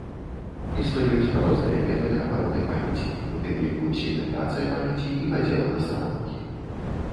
Існуюць розныя метады абароны памяці, у тым ліку сегментацыя памяці і падзел на старонкі.